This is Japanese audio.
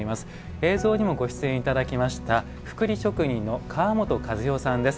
映像にもご出演いただきましたくくり職人の川本和代さんです。